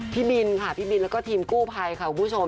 พี่บินค่ะแล้วก็ทีมกู้ไพร